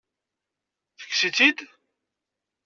Tekkes-itt-id?